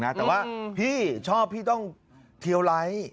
แต่ว่าพี่ชอบพี่ต้องเทียวไลท์